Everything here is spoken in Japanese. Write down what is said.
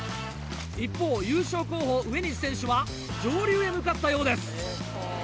一方優勝候補上西選手は上流へ向かったようです。